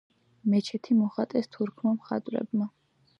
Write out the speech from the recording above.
მეჩეთი მოხატეს თურქმა მხატვრებმა.